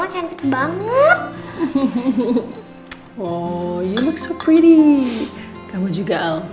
ya bener bener enaknya